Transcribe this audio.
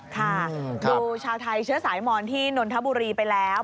ค่ะดูชาวไทยเชื้อสายมอนที่นนทบุรีไปแล้ว